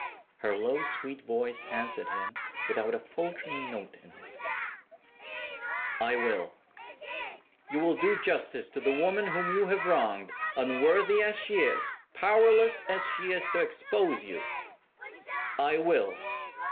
Her low, sweet voice answered him, without a faltering note in it, "I will!" "You will do justice to the woman whom you have wronged unworthy as she is; powerless as she is to expose you?" "I will!"